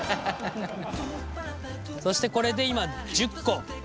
そしてこれで今１０個。